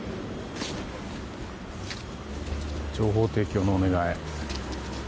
情報提供のお願い。